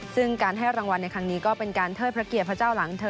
ซึ่งการให้รางวัลในครั้งนี้ก็เป็นการเทิดพระเกียรติพระเจ้าหลังเธอ